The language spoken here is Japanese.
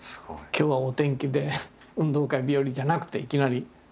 「今日はお天気で運動会日和」じゃなくていきなり。